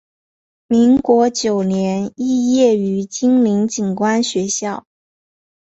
民国九年肄业于金陵警官学校。